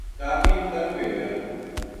کافی تنگ بے ہویا